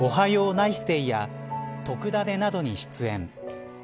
ナイスデイやとくダネ！などに出演。